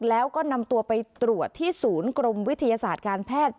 แล้วก็นำตัวไปตรวจที่ศูนย์กรมวิทยาศาสตร์การแพทย์